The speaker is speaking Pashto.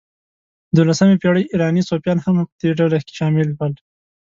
د دوولسمې پېړۍ ایراني صوفیان هم په همدې ډلې کې شامل شول.